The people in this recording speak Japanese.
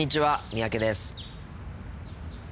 三宅です。